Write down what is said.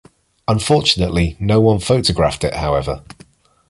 Unfortunately no one photographed it, however.